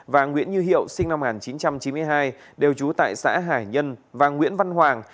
và nguyễn như hiệu sinh năm một nghìn chín trăm chín mươi hai đều trú tại xã hải nhân và nguyễn văn hoàng